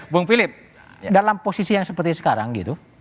bung philip dalam posisi yang seperti sekarang gitu